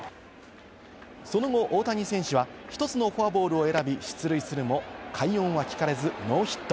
その後、大谷選手は１つのフォアボールを選び出塁するも、快音は聞かれず、ノーヒット。